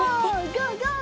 ゴーゴー！